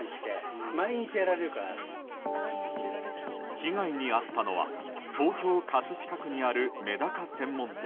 被害に遭ったのは東京・葛飾区にあるメダカ専門店。